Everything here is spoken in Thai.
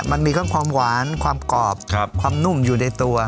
มันมีทั้งความหวานความกรอบความนุ่มอยู่ในตัว